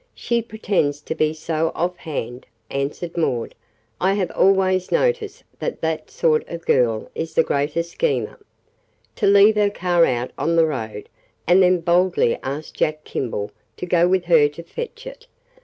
"She pretends to be so off hand," answered Maud. "I have always noticed that that sort of girl is the greatest schemer." "To leave her car out on the road, and then boldly ask Jack Kimball to go with her to fetch it.